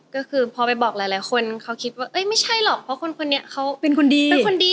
ก็คือพอไปบอกหลายคนเขาคิดว่าเอ๊ะไม่ใช่หรอกเพราะคนเนี่ยเขาเป็นคนดี